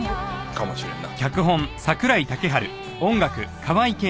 かもしれんな。